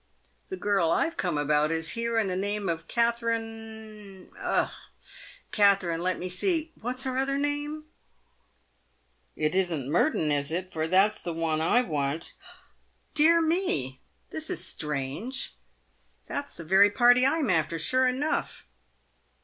" The girl Tve come about is here in the name of Katherine Katherine — let me see — what's her other name ?"" It isn't Merton, is it ? Tor that's the one I want." " Dear me ! this is strange. That's the very party I'm after, sure enough."